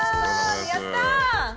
やった！